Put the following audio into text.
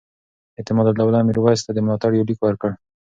اعتمادالدولة میرویس ته د ملاتړ یو لیک ورکړ.